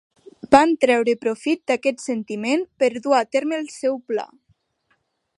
Van treure profit d'aquest sentiment per dur a terme el seu pla.